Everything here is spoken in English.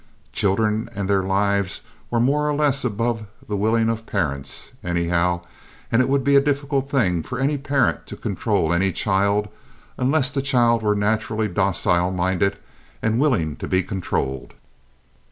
Children and their lives were more or less above the willing of parents, anyhow, and it would be a difficult thing for any parent to control any child, unless the child were naturally docile minded and willing to be controlled.